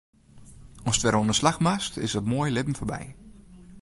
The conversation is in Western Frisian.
Ast wer oan 'e slach moatst, is it moaie libben foarby.